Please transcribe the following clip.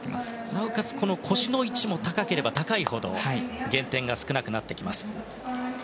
なおかつ、腰の位置も高ければ高いほど減点が少なくなってきます。